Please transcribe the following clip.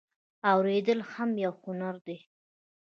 اوریدل هم یو هنر دی